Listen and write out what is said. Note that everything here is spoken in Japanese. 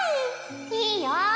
いいよ。